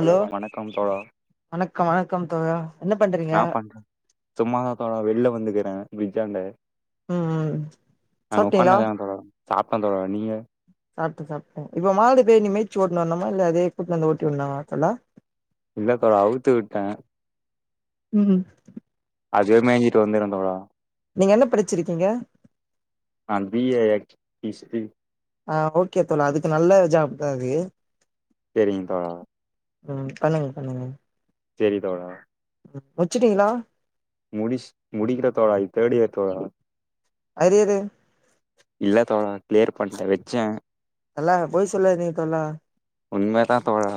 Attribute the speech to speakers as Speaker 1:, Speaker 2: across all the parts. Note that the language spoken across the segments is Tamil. Speaker 1: ஹலோ வணக்கம் தோழா
Speaker 2: வணக்கம் வணக்கம் தோழா என்ன பண்றீங்க
Speaker 1: நா பண்றே சும்மாதா தோழா வெளில வந்துக்கிறே ப்ரிஜ்ஜாண்ட
Speaker 2: ம் ம்
Speaker 1: நாங்க
Speaker 2: சாப்ட்டீங்களா
Speaker 1: உட்காண்டுருக்க தோழா சாப்ட்டான் தோழா நீங்க
Speaker 2: சாப்ட்டு சாப்ட்டு இப்ப மாடு பேய் நீ மேய்சு ஓட்டுன்னு வர்ண்ணுமா இல்ல அதே கூட்டட்டு வந்து ஓட்டி [unintelligible] தோழா
Speaker 1: இல்ல தோழா அவுத்து விட்டே
Speaker 2: ம்
Speaker 1: அதுவே மேயஞ்சட்டு வந்துடு தோழா
Speaker 2: நீங்க என்ன படிச்சிருக்கீங்க
Speaker 1: நா பி ஏ எக் ஹிஸ்ட்ரி
Speaker 2: ஆ ஓகே தோழா அதுக்கு நல்ல ஜாப் தா இது
Speaker 1: செரிங்க தோழா
Speaker 2: ம் பண்ணுங்க பண்ணுங்க
Speaker 1: செரி தோழா
Speaker 2: முச்சுட்டீங்களா
Speaker 1: முடிஸ் முடிக்கில தோழா இது தேட் இயர் தோழா
Speaker 2: ஆரியரு
Speaker 1: இல்ல தோழா கிளியர் பண்ணிட்டே வச்சே
Speaker 2: நல்லா பொய் சொல்லாதீங்க தோழா
Speaker 1: உண்ம தா தோழா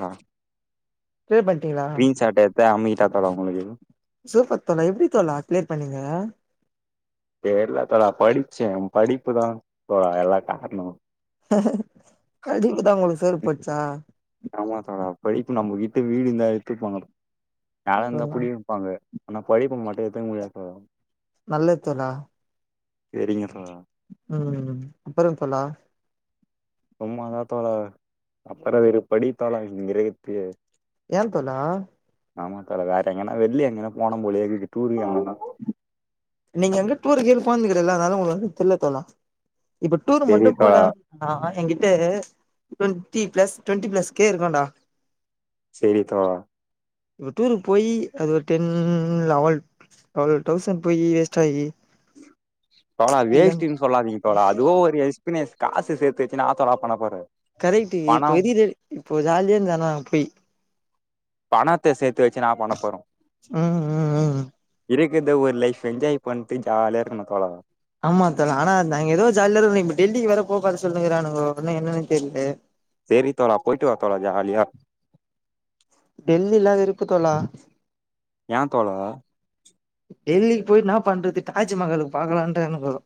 Speaker 2: கிளியர் பண்ணிட்டீங்களா
Speaker 1: ஸ்க்ரீன் ஷாட் எட்த்து அமீக்ட்டா தோழா உங்களுக்குது
Speaker 2: சூப்பர் தோழா எப்டி தோழா கிளியர் பண்ணீங்க
Speaker 1: தெர்ல தோழா படிச்சே படிப்புதா தோழா எல்லா கார்ணோ
Speaker 2: படிப்புதா உங்களுக்கு சோறு போட்ச்சா
Speaker 1: ஆமா தோழா படிப்பு நம்மகிட்ட வீடு இருந்தா எடுத்துப்பாங்க நெல இருந்தா
Speaker 2: தோழா
Speaker 1: புடிங்கி பாங்க ஆனா படிப்ப மட்டு எத்துக்க முடியாது தோழா
Speaker 2: நல்ல தோழா
Speaker 1: செரிங்க தோழா
Speaker 2: ம் ம் அப்பறோ தோழா
Speaker 1: சும்மாதா தோழா அப்பறோ வெறுப்படி தோழா இங்கயிருகத்துக்கு
Speaker 2: ஏ தோழா
Speaker 1: ஆமா தோழா வேர எங்கனா வெள்ல எங்கனா போனு போலேயே இருக்கு டூருக்கு எங்கன்னா
Speaker 2: நீங்க வந்து டூரு கீரு போந்துகெடையாதுல்ல அதனால உங்களுக்கு வந்து தெர்ல தோழா இப்ப டூரு
Speaker 1: செரி
Speaker 2: மட்டு போனா
Speaker 1: தோழா
Speaker 2: ஆ எங்கிட்ட டொண்டிபிளஸ் டொண்ட்டிபிளஸ்க்கே இருக்குடா
Speaker 1: செரி தோழா
Speaker 2: ஒரு டூருக்கு போய்யி அது ஒரு டென் லெவல் டுவெல் தௌசண்ட் போய்யி வேஸ்டாகி
Speaker 1: தோழா வேஷ்ட்டின்னு சொல்லாதீங்க தோழா அதுவு ஒரு எக்ஸ்பீரியன்ஸ் காசு சேத்து வெச்சின ஏன்னா தோழா பண்ண பாரு
Speaker 2: கரெக்ட்டி இப்போ எது இப்போ ஜாலியே இருந்தா நா போய்
Speaker 1: பணத்த சேத்து வெச்சு நா பண்ண போறோ
Speaker 2: ம் ம் ம்
Speaker 1: இருக்கற்து ஒரு லைஃப் என்ஜாய் பண்ணிட்டு ஜாலியா இருக்கணு தோழா
Speaker 2: ஆமா ஆனா நாங்க ஏதோ ஜாலிய இருக்குரோ இப்ப டெல்லிக்கு வேற போகாத சொல்லுங்கிறானனுங்க ஒன்னும் என்னன்னு தெர்ல
Speaker 1: செரி தோழா போய்ட்டு வா தோழா ஜாலியா
Speaker 2: டெல்லில்ல இருக்கு தோழா
Speaker 1: ஏ தோழா
Speaker 2: டெல்லிக்கு போயிட் நா பண்றது தாஜ்மகாலுக்கு பாக்கலான்னுட்டு நின்னுங்குறோம்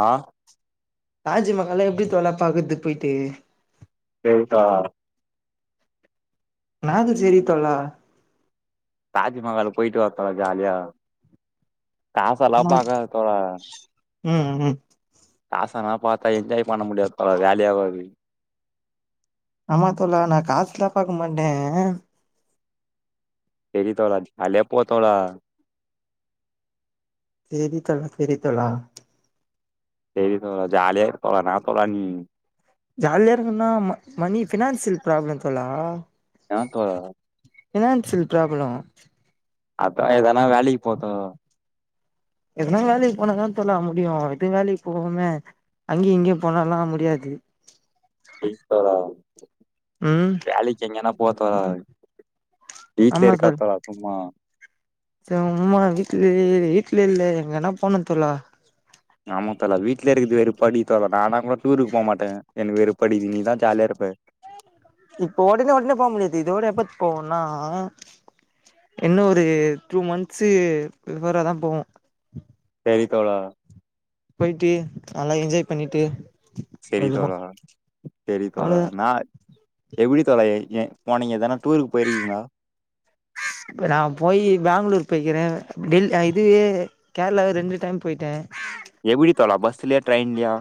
Speaker 1: ஆ
Speaker 2: தாஜ்ஜிமகஹால்ல எப்டி தோழா பாக்குறது போயிட்டு
Speaker 1: போய்ட்டா
Speaker 2: நானும் செரி தோழா
Speaker 1: தாஜ்மகாலுக்கு போயிட்டு வா தோழா ஜாலியா காசெல்லாம்
Speaker 2: ஆமா
Speaker 1: பாக்காத தோழா
Speaker 2: ம் ஹூம்
Speaker 1: காசனா பாத்தா என்ஜாய் பண்ண முடியாது பா வேலையே ஆவாது
Speaker 2: ஆமா தோழா நான் காசுல்ல பாக்கமாட்டே
Speaker 1: செரித்தோழா ஜாலியா போத்தோழா
Speaker 2: செரித்தோழா செரித்தோழா
Speaker 1: செரி தோழா ஜாலியா போலாம் இன்ன தோழா நீ
Speaker 2: ஜாலியா இருக்குன்னா மணி பினான்சியல் ப்ராப்ளம் தோழா
Speaker 1: யா தோழா
Speaker 2: பினான்சியல் ப்ராப்ளம்
Speaker 1: அப்போ எதனா வேலக்கி போத்தோ
Speaker 2: எதனா வேலைக்கு போனாதான தோழா முடியும் எது வேலைக்கு போகோமே அங்கிய இங்கயும் போனால்லாம் முடியாது
Speaker 1: செரி தோழா
Speaker 2: ம்
Speaker 1: வேலைக்கு எங்கன்னா போ தோழா வீட்ல
Speaker 2: ஆமா தோழ்
Speaker 1: இருக்காத் தோழா சும்மா
Speaker 2: சும்மா வீட்லே வீட்லே இல்ல எங்கன்னா போனும் தோழா
Speaker 1: ஆமா தோழா வீட்லே இருக்குறது வெறுப்படிகுது தோழா நான்னா கூட டூருக்கு போ மாட்டே எனக்கு வெறுப்படி நீதான் ஜாலியா இருப்ப
Speaker 2: இப்ப ஒடனே ஒடனே போக முடியாது இதோட எப்பத் போவோனா இன்னும் ஒரு டூ மந்த்ஸ் பிஃபோராதா தான் போவோம்
Speaker 1: சரி தோழா
Speaker 2: போயிட்டு நல்லா என்ஜாய் பண்ணிட்டு
Speaker 1: செரி
Speaker 2: வருவோ
Speaker 1: தோழா செரி தோழா
Speaker 2: அவ்ளோதா
Speaker 1: நா எப்டி தோழா ஏன் போனீங்க எதானா டூருக்கு போயிருக்கீங்களா
Speaker 2: இப்ப நா போய் பேங்களூர் போய்கிற டெல் இதுவே கேரளாவே ரெண்டு டைம் போயிட்டே
Speaker 1: எப்படித் தோழா பஸ்லயா ட்ரெயின்லயா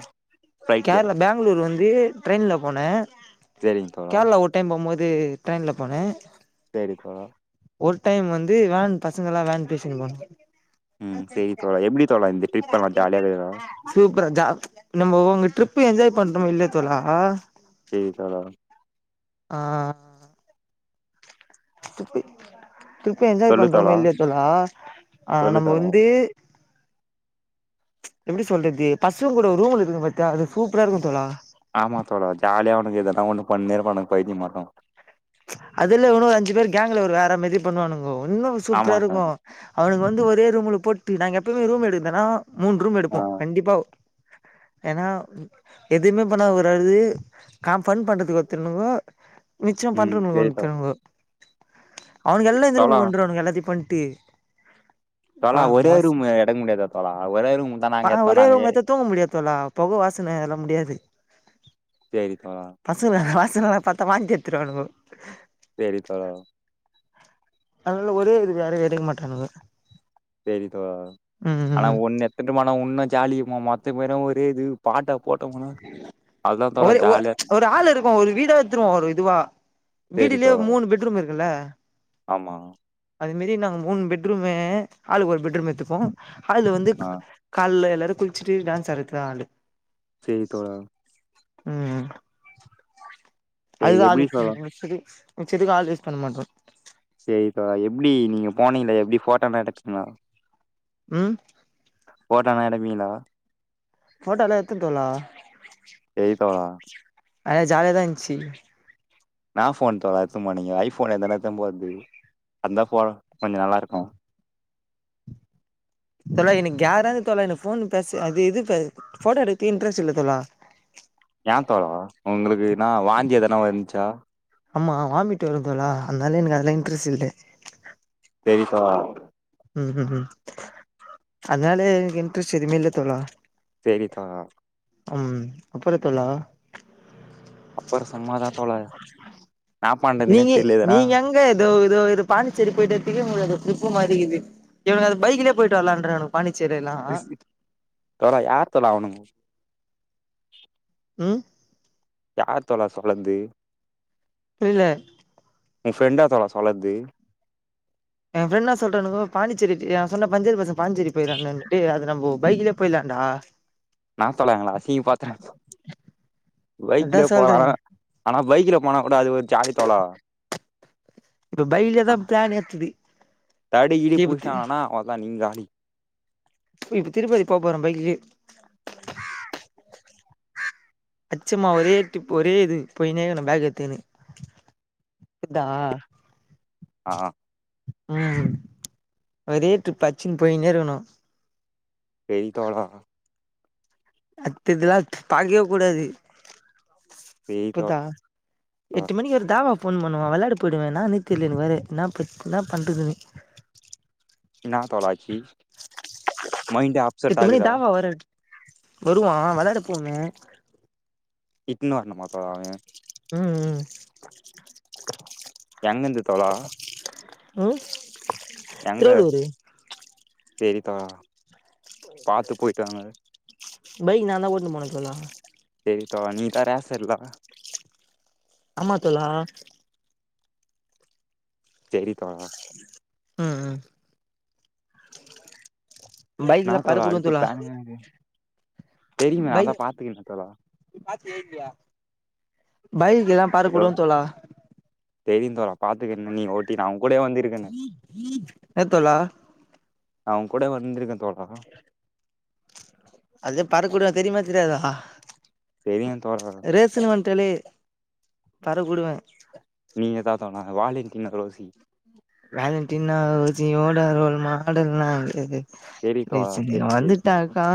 Speaker 1: ஃப்ளைட்லயா
Speaker 2: கேரளா பேங்களூர் வந்து ட்ரெயின்ல போனே
Speaker 1: செரிங்க தோழா
Speaker 2: கேரளா ஒட் டைம் போம்போது ட்ரெயின்லா போனேன்
Speaker 1: சரி தோழா
Speaker 2: ஒரு டைம் வந்து வேன் பசங்கல்லாம் வேன் பேசின்னு போணும்
Speaker 1: ம் சரி தோழா எப்படி தோழா இந்த ட்ரிப் பெல்லாம் ஜாலியா கக்குதா
Speaker 2: சூப்பரா ஜா நம்ப உங்க ட்ரிப் என்ஜாய் பண்றோமா இல்லையா தோழா
Speaker 1: சரி தோழா
Speaker 2: ஆஹ திருப்பி திருப்பி என்ஜாய் பண்றோமோ இல்லையா தோழா ஆஹ்
Speaker 1: சொல்லு
Speaker 2: நம்ம
Speaker 1: தோழா
Speaker 2: வந்து எப்படி சொல்றது பசங்க கூட ஒரு ரூம்ல இருக்குது பாத்தியா அது சூப்பரா இருக்கும் தோழா
Speaker 1: ஆமா தோழா ஜாலியா அவனுக எதனா ஒண்ணு பண்னேருப்பானுக பயத்தியமாட்டோம்
Speaker 2: அதுல இவனுங்க ஒரு அஞ்சு பேர் கேங்க்ல ஒரு வேற மாரி பண்ணுவானுங்கோ இன்னும்
Speaker 1: ஆமா
Speaker 2: சூப்பரா
Speaker 1: தோழா
Speaker 2: இருக்கும் அவனுக்கு வந்து ஒரே ரூம்ல போட்டு நாங்க எப்பயுமே ரூம் எடுக்கர்ந்தனா மூன் ரூம்
Speaker 1: ஆ
Speaker 2: எடுப்போம் கண்டிப்பா ஏன்னா எதுவுமே பண்ணா ஒருது நா ஃபண்ட் பண்றதுக்கு ஒருத்தங்கோ மிச்ச
Speaker 1: ம்
Speaker 2: பண்ற
Speaker 1: சேரி தோழா
Speaker 2: ஒருத்தவனுங்கோ அவனுங்க எல்லாம் இந்த ரூம்க்கு வந்துருவானுங்க எல்லாத்தயு பண்ட்டு
Speaker 1: தல
Speaker 2: பா
Speaker 1: ஒரே
Speaker 2: மாஸ்
Speaker 1: ரூம் எடுக்க முடியாதா தல ஒரே ரூம் தா
Speaker 2: பா
Speaker 1: நாங்க எத்தோம்
Speaker 2: ஒரே
Speaker 1: நாங்க
Speaker 2: ரூம் எத்தா தூங்க முடியாது தோழா பொக வாசன அதல்லா முடியாது
Speaker 1: சேரி தோழா
Speaker 2: பசங்கோ வாசனைல்லா பார்த்தா வாந்தி எடுத்துருவானுங்கோ
Speaker 1: சேரி தோழா
Speaker 2: அதனால ஒரே இது வேற எடுக்க மாட்டானுங்க
Speaker 1: சேரி தோழா
Speaker 2: ம் ம்
Speaker 1: ஆனா
Speaker 2: ம்
Speaker 1: ஒன்னு எத்துட்டுவானா ஒண்ணும் ஜாலி மொத்த பேரும் ஒரே இது பாட்ட போட்டும் வனா
Speaker 2: ஒரு ஓர் ஆள் இருக்கும் ஒரு வீடா எத்துருவோம் ஒரு இதுவா
Speaker 1: சேரி
Speaker 2: வீடிலேயே
Speaker 1: தோழா
Speaker 2: மூணு பெட்ரூம் இருக்குல்ல
Speaker 1: ஆமா
Speaker 2: அது மேரி நாங்க மூணு பெட்ரூமு ஆலுக்கு ஒரு பெட்ரூம் எத்துப்போம் ஹால் வந்து
Speaker 1: ஆ
Speaker 2: கால்ல எல்லாரும் குளிச்சுட்டு டான்ஸ் ஆடுறதுக்கு தா ஹாளு
Speaker 1: சேரி தோழா
Speaker 2: ம்
Speaker 1: சேரி
Speaker 2: அதுதா அது
Speaker 1: எப்டி தோழா
Speaker 2: ஃப்ரீ மிச்சத்துக்கு ஆள் யூஸ் பண்ண மாட்டோம்
Speaker 1: சேரி தோழா எப்டி நீங்க போனீங்களே எப்டி போட்டோ லா எடுத்துங்கிளா
Speaker 2: ம்
Speaker 1: போட்டோலா எடுப்பிங்களா
Speaker 2: போட்டோலா எத்த தோழா
Speaker 1: சேரி தோழா
Speaker 2: ஆனா ஜாலியாதா இன்ச்சி
Speaker 1: என்னா போன் தோழா எத்துபோனீங்க ஐபோன் எதுனா எடுத்துனு போறது அந்த போன் கொஞ்சம் நல்லா இருக்கும்
Speaker 2: தோழா எனக்கு கேரா இருக்கு தோழா எனக்கு போன் பேச அது இது போட்டோ எடுக்க இன்டரெஸ்ட் இல்ல தோழா
Speaker 1: ஏன் தோழா உங்களுக்கு ஏனா வாந்தி எதனா வந்த்ச்சா
Speaker 2: ஆமா வாமிட் வருந் தோழா அதனால எனக்கு அதுல இன்ட்ரெஸ்ட் இல்ல
Speaker 1: சேரிப்பா
Speaker 2: ம் ம் ம் அதனால எனக்கு இன்ட்ரெஸ்ட் எதுமே இல்ல தோழா
Speaker 1: சேரி தோழா
Speaker 2: ம் அப்பற தோழா
Speaker 1: அப்பற சும்மாதா தோழா என்னா பண்றதுனே தெர்லங்கிற
Speaker 2: ஏதோ இதோ இதோ இது பாண்டிச்சேரி போய்ட்டு வரதுக்கே உங்களுக்கு டிரிப்பு மாரி இருக்கு இவனுங்க அது பைக்லயே போயிட்டு வர்லான்றானுங்க பாண்டிச்சேரில்லாம்
Speaker 1: தல யார் தல அவனுங்க
Speaker 2: ம்
Speaker 1: யார் தல சொலந்து
Speaker 2: புரில
Speaker 1: உன் ஃப்ரெண்டா தோழா சொலந்து
Speaker 2: என் ஃப்ரெண்டு என் சொல்ட்டானுங்கோ பாண்டிச்சேரி என் சொன்ன பஞ்சேரி பசங்க பாண்டிச்சேரி போயிட்லான்னுட்டு அது நம்ப பைக்லயே போயலான்டா
Speaker 1: என்னா தோழா எங்கள அசிங் பாத்த,
Speaker 2: அதா
Speaker 1: பைக்லயே
Speaker 2: சொல்றே
Speaker 1: போனாலு ஆனா பைக்ல போனா கூட அது ஒரு ஜாலி தோழா
Speaker 2: இப்ப பைக்லயே
Speaker 1: ஆ,
Speaker 2: தா பிளான் ஏத்துது
Speaker 1: தடி கிடி
Speaker 2: இப்ப தி
Speaker 1: புடிச்சிட்டாங்கனா அ ள்ளதா நீங்க காலி
Speaker 2: இப்ப திருப்பதி போப்போறே பைக்லயே அடிச்சமா ஒரே டிப் ஒரே இது போயினே இருக்கனு பேக் எத்துகினு க்தா
Speaker 1: ஆ
Speaker 2: ம், ஒரே டிரிப் அடிச்சுனு போயின்னே இருக்கணு
Speaker 1: செரி தோழா
Speaker 2: அடுத்த இதுலா பாக்கவே கூடாது
Speaker 1: சேரி தோழா
Speaker 2: புரிதா எட்டு மணிக்கு ஒரு தாவா ஃபோன் பண்ணுவா விளாட போயிடுவே என்னானே தெரில எனக்கு வேற என்ன ப என்னா பண்றதுன்னு
Speaker 1: என்னா தோழி ஆச்சி மைண்ட் அப்செட்டா இருக்குதா
Speaker 2: பவர விட் வருவா வெளாடப்போனு
Speaker 1: இட்ன்னு வருனுமா
Speaker 2: ம், ம்
Speaker 1: எங்கந்து தோழா
Speaker 2: ம்
Speaker 1: எங்க
Speaker 2: திருவள்ளூரு
Speaker 1: சேரி தோழா பாத்து போயிட்டு வாங்க
Speaker 2: பைக் நான்தா ஓட்டுனு போன தோழா
Speaker 1: சேரி தோழா நீ தர செல்லா
Speaker 2: ஆமா தோழா
Speaker 1: சேரி தோழா
Speaker 2: ம், ம்
Speaker 1: என்னா
Speaker 2: பைக்லா
Speaker 1: தோழா
Speaker 2: பறக்க உடுவே
Speaker 1: அடுத்த பிளானு தெரியுமே அதா பாத்துகிறனே தோழா
Speaker 2: பாத்து ஓட்டுவியா, பைக்கு எல்லா பறக்க
Speaker 1: ஹலோ
Speaker 2: வுடுவ தோழா
Speaker 1: தெரியு தோழா பாத்துக்கிறனே நீ ஓட்டி நா உங் கூடவே வந்திருக்கனே
Speaker 2: என்ன தோழா
Speaker 1: நா உங் கூட வந்திருக்கே தோழா
Speaker 2: அது பறக்கவுடுவ தெரியுமா தெரியாதா
Speaker 1: தெரியு தோழா
Speaker 2: ஸ்சுனு வந்ட்டாலே பறக்கவுடுவே
Speaker 1: நீங்கதா தோழா வாலேண்டினா ரோஸி
Speaker 2: வாலண்டினோ ரோஸியோட ரோல் மாடல்லா கடையாது
Speaker 1: சேரி தோழா
Speaker 2: ரேஸிங்னு
Speaker 1: சேரி சேரி
Speaker 2: வந்துட்டாக்கா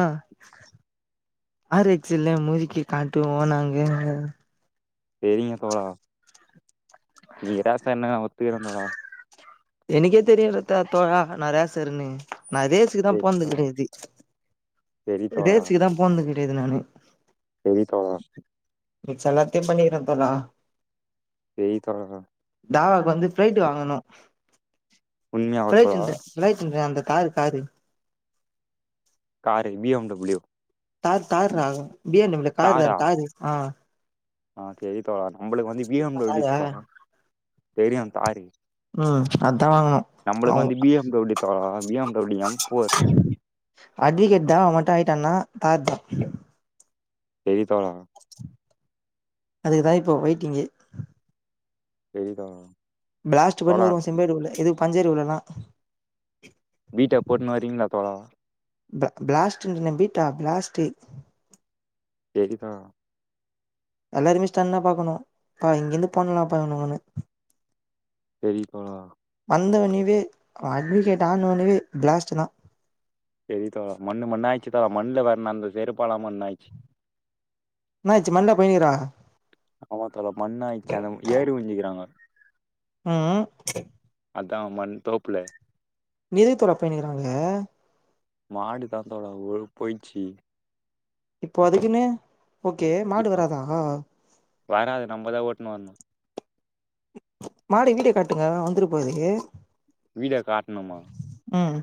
Speaker 2: ஆர் எக்ஸ்லே முருக்கி காட்டுவோ நாங்க
Speaker 1: தெரியு தோழா நீ ரேஸ்ஸர்னு நா ஒத்துகிறே தோழா
Speaker 2: எனக்கே தெரியு ரத்த தோழா நா ரேஸ்ஸர்னு நா ரேஸ் க்குதா
Speaker 1: சேரி
Speaker 2: போனது
Speaker 1: தோழா
Speaker 2: கெடையாது
Speaker 1: சேரி தோழா
Speaker 2: ரேஸ்க்குதா போனது கெடையாது நானு
Speaker 1: செரி தோழா
Speaker 2: மிச்ச எல்லாத்தையு பண்ணக்கிற தோழா
Speaker 1: சேரி தோழா
Speaker 2: தாவாக்கு வந்து பிளைட்டு வாங்கணு,
Speaker 1: உண்மையாவா
Speaker 2: பிளைட்
Speaker 1: தோழா
Speaker 2: இந்த பிளைட் இந்த அந்த தாரு car
Speaker 1: car B M W
Speaker 2: car கார்ரா பி எம் டபுள்யு கார்ரா அது காரு ஆ
Speaker 1: அ செரி தோழா நம்பளுக்கு வந்து பி எம் டபுள்யு
Speaker 2: தாரா
Speaker 1: தா தெரியு காரு
Speaker 2: ம் அதா வாங்கணு
Speaker 1: நம்பளுக்கு
Speaker 2: அவ
Speaker 1: வந்து B M B M W தாடா B M W M four
Speaker 2: advocate தா அவ மட்டு ஆயிட்டனா கார் தா
Speaker 1: [unintelligible]
Speaker 2: அதுக்கு தா இப்போ வெயிட்டிங்கு
Speaker 1: செரிதா
Speaker 2: பிளாஸ்ட்டு பண்ணுவாரு ஒ சிம்பேடு உள்ள எது பஞ்சேரு [unintelligible]
Speaker 1: வீட்ட போட்டுனு வரீங்ளா தோழா
Speaker 2: ப்ளா பிளாஸ்ட்டு ன்று நம்பிட்டா பிளாஸ்ட்டு
Speaker 1: செரிதா
Speaker 2: எல்லாருமே ஸ்டன்னா பாக்கணு பா இங்கெந்து போணலாம்ப்பான்ன ஒன்னு
Speaker 1: செரிப்பா
Speaker 2: வந்தவெனவே அட்வகேட் ஆனொவனொவே பிளாஸ்ட்டு தா
Speaker 1: செரி தா மண்ணு மண்ணா ஆய்ச்சு தா மண்ணுல வற்ணா அந்த செருப்பலா மண் ஆயிச்சு
Speaker 2: என்னாச்சு மண்ல போய்னுக்றா
Speaker 1: ஆமா தோழா மண்ண ஆய்ச்சு அங்க ஏறி வுஞ்சிக்கிறாங்க
Speaker 2: ம்
Speaker 1: அதா மண் தோப்புல
Speaker 2: நிதித்தொற போயினுக்குறாங்க
Speaker 1: மாடு தாத்தோட ஓ போயிச்சு
Speaker 2: இப்போ அதுக்குன்னே ஓகே மாடு
Speaker 1: இப்ப
Speaker 2: வராதா
Speaker 1: வராது நம்பதா ஓட்டுன் வர்னு
Speaker 2: மாடு வீட்டெ காட்டுங்க வந்துட்டு போது
Speaker 1: வீட காட்ணுமா
Speaker 2: ம்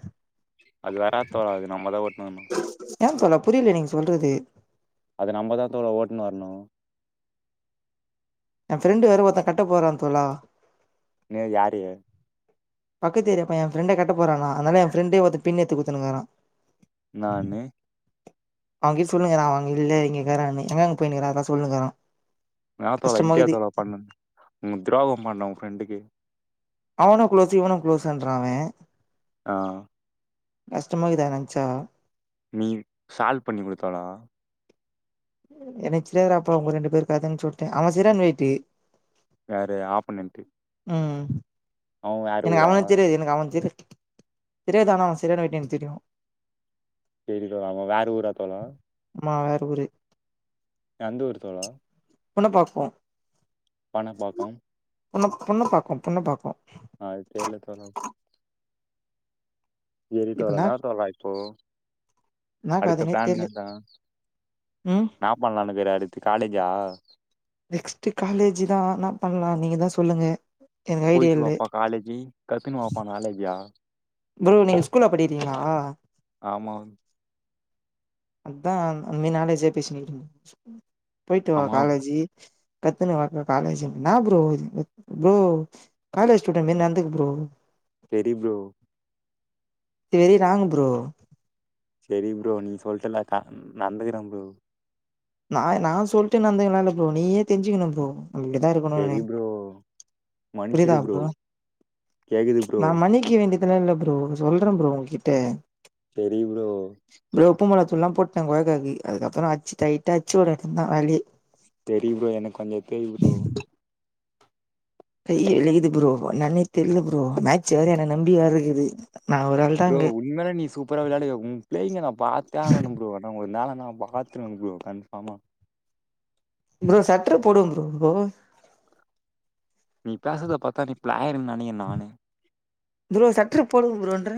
Speaker 1: அது வராத் தோழா நம்ம தா ஓட்னு வர்னொ
Speaker 2: ஏ தோழா புரியல நீங்க சொல்றது
Speaker 1: அத நம்மதா தோழா ஓட்னு வர்ணு
Speaker 2: என ஃப்ரெண்டு வேற ஒருத்த கட்ட போறா தோழா
Speaker 1: ம் யாரு
Speaker 2: பக்கத்து ஏரியா பையெ எ ஃப்ரண்டே கட்ட போறானா அத்னால எ ஃப்ரண்டே ஒருத்த பின் எத்து குட்த்துனுகுறா
Speaker 1: நானே
Speaker 2: அவுங்கிட் சொல்னுக்றா அவுங்க இல்ல இங்கேக்குறான்னு எங்க போயினுக்ற அத சொல்னுக்றா
Speaker 1: என்ன தோழா இப்டியா தோழா பண்ண உங்க துரோகொ பண்ண உங் ஃப்ரெண்டுக்கு
Speaker 2: அவனு குளோஸு இவனு குளோஸுன்றா அவெ
Speaker 1: ஆ
Speaker 2: கஷ்டமாகுது அத நென்ச்சா
Speaker 1: நீ சால்வ் பண்ணி குடு தோழா
Speaker 2: எனக் தெரியாதுடா அப்பா உங்க ரெண்டு பேரு கதன்னு சொல்ட்டே அவெ செறான வெயிட்டு
Speaker 1: யாரு ஆப்பணன்ட்டு
Speaker 2: ம் எனக்கு
Speaker 1: ஊரா
Speaker 2: அவன தெரியாது எனக்கு அவன தெரிய தெரியாது ஆனா அவெ சரியான வெயிட்னு எனக்கு தெரியு
Speaker 1: செரி தோழா அவெ வேற ஊரா தோழா
Speaker 2: ஆமா வேற ஊரு
Speaker 1: எந்த ஊர் தோழா
Speaker 2: ஒன்ன பாப்போ
Speaker 1: பண பாக்கும்
Speaker 2: உனுக் பொண்ணு பாக்கோ பொண்ணு பாக்கோ
Speaker 1: ஆ தெர்ல தோலம்
Speaker 2: இப்ப
Speaker 1: எறித்தோல
Speaker 2: என்னா
Speaker 1: நா தோலா இப்போ
Speaker 2: என்னா
Speaker 1: அடுத்த
Speaker 2: கதனே
Speaker 1: ப்லான்
Speaker 2: தெர்ல
Speaker 1: நேதான்
Speaker 2: ம்
Speaker 1: நா பண்ணலானுக்குற அடுத்து காலேஜா
Speaker 2: நெக்ஸ்ட்டு காலேஜி தா நா பண்லா நீங்க தா சொல்லுங்க எனக்கு ஐடியா
Speaker 1: போயட்டு
Speaker 2: இல்ல
Speaker 1: வாப்பா காலேஜி கத்துன்னு வாப்பா நாலேஜா
Speaker 2: ப்ரோ நீங்க ஸ்கூல்ல படிரீங்ளா
Speaker 1: ஆமாங்
Speaker 2: அத்தா அம்மே நாலேஜே பேசினிரும் போய்ட்டு வா
Speaker 1: ஆமா
Speaker 2: காலேஜி கத்துன்னு வாக்கா காலேஜுன் ன்னா ப்ரோ இத் அ ப்ரோ காலேஜ் ஸ்டூடன்மே நந்துக் bro
Speaker 1: very bro
Speaker 2: very wrong bro
Speaker 1: செரி ப்ரோ நீ சொல்ட்டல்ல கான் நந்துக்குறே ப்ரோ
Speaker 2: நாய் நா சொல்ட்டே நந்துக்களால்ல ப்ரோ நீயே தெஞ்சிக்கிணும் ப்ரோ அம்டிதா இருக்கணு நே
Speaker 1: செரி ப்ரோ
Speaker 2: புரிய்தா ப்ரோ
Speaker 1: கேக்குது ப்ரோ
Speaker 2: நா மன்னி க்கி வேண்டிய்துலா இல்ல ப்ரோ சொல்ற ப்ரோ உன்கிட்டே
Speaker 1: தெரி ப்ரோ
Speaker 2: ப்ரோ உப்பு மொளாத்தூள்லா போட்டே கொய்க்காக்கி அதுக்கப்பறோ அச்சி டைட்டா அச்சுஓட எத்துன்னா வேலி
Speaker 1: வெரி ப்ரோ எனக் கொஞ்ச எத்தை ப்ரோ
Speaker 2: கைய எழையுது ப்ரோ நான்னே தெரில ப்ரோ மேட்ச் வேற என நம்பி வேருக்குது நா ஒராள்
Speaker 1: ப்ரோவ்ல் இன்மேல நீ சூப்பரா விளாடுக உ ப்ளைங்க நா பாத்தே ஆகணும் ப்ரோ என்னா ஒர் நாளனா பாத்ருன் ப்ரோ கன்ஃபார்மா
Speaker 2: ப்ரோ சட்ட்ரு போடுவம் ப்ரோ போ
Speaker 1: நீ பேசத பாத்தா நீ ப்ளாயி நனி நானு
Speaker 2: த்ரோ சட்ட்ரு போட்ல ப்ரோன்ற